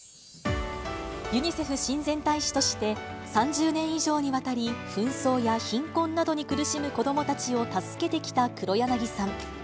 ユニセフ親善大使として、３０年以上にわたり紛争や貧困などに苦しむ子どもたちを助けてきた黒柳さん。